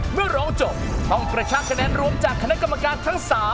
เมื่อร้องจบต้องกระชักคะแนนรวมจากคณะกรรมการทั้ง๓